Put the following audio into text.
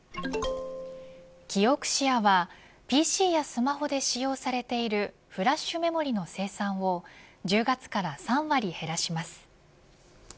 キオクシアはＰＣやスマホで使用されているフラッシュメモリの生産を１０月から３割減らします。